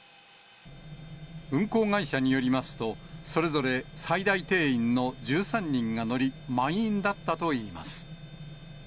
運行会社によりますと、それぞれ最大定員の１３人が乗り、満員だったといいます。